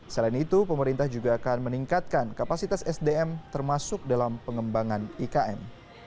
selain itu pemerintah juga akan meningkatkan kapasitas sdm termasuk dalam pengembangan ikm